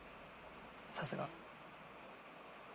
さすが。